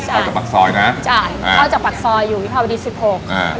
ใช่จะปักซอยนะใช่เขาจะปักซอยอยู่วิภาวดีสิบหกอ่า